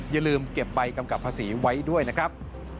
อย่าลืมเก็บใบกำกับภาษีไว้ด้วยนะครับ